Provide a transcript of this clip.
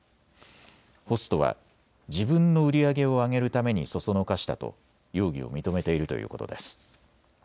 ホストは自分の売り上げを上げるために唆したと容疑を認めているということです。